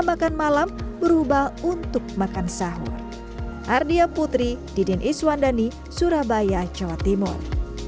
makan malam berubah untuk makan sahur ardia putri didin iswandani surabaya jawa timur